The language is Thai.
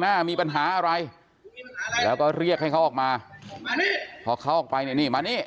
หน้ามีปัญหาอะไรแล้วก็เรียกให้เขาออกมาพอเขาออกไปเนี่ยนี่มานี่